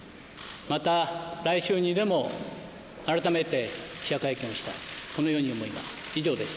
また、来週にでも改めて記者会見をしたい、このように思います。